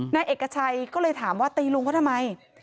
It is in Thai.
นายเอกชัยก็เลยถามว่าตีลุงเขาทำไม